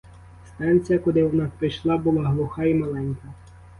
Станція, куди вона прийшла, була глуха й маленька.